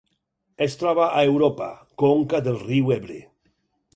Es troba a Europa: conca del riu Ebre.